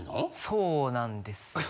そうなんです。